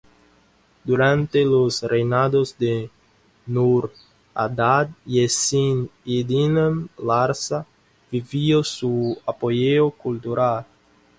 Durante los reinados de Nur-Adad y Sin-Iddinam Larsa vivió su apogeo cultural.